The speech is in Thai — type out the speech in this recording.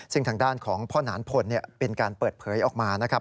ซึ่งทางด้านของพ่อหนานพลเป็นการเปิดเผยออกมานะครับ